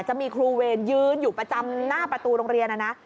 จะมีครูเวรยืนอยู่ประจำหน้าประตูโรงเรียนนะนะ